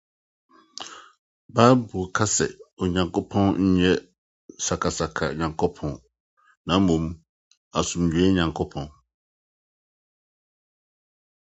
Bible ka sɛ Onyankopɔn nyɛ sakasakayɛ Nyankopɔn, na mmom asomdwoe Nyankopɔn.